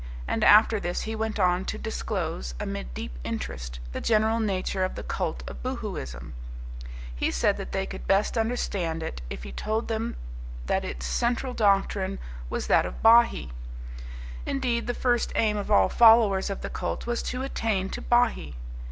And after this he went on to disclose, amid deep interest, the general nature of the cult of Boohooism. He said that they could best understand it if he told them that its central doctrine was that of Bahee. Indeed, the first aim of all followers of the cult was to attain to Bahee.